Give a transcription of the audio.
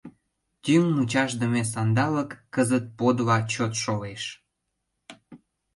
Тӱҥ-мучашдыме сандалык Кызыт подла чот шолеш.